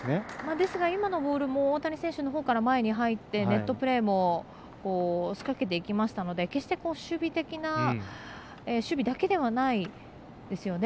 ですが、今のボールも大谷選手のほうから前に入ってネットプレーも仕掛けていきましたので決して守備だけではないですよね。